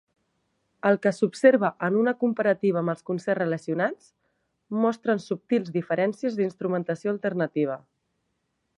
El que s'observa en una comparativa amb els concerts relacionats mostren subtils diferències d'instrumentació alternativa.